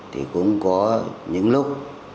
thì cũng có những lúc